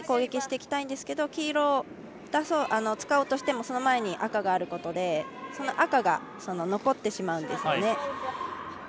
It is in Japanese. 日本は黄色を基点に攻撃していきたいんですけど黄色を使おうとしてもその前に赤があることで赤が、残ってしまうんですね。